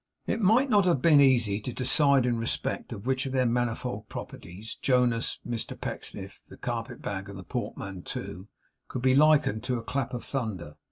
It might not have been easy to decide in respect of which of their manifold properties, Jonas, Mr Pecksniff, the carpet bag, and the portmanteau, could be likened to a clap of thunder.